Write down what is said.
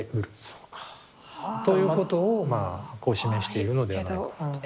そうか。ということをまあこう示しているのではないかと。